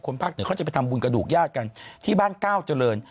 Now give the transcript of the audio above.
ภาคเหนือเขาจะไปทำบุญกระดูกญาติกันที่บ้านก้าวเจริญ